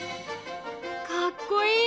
かっこいい！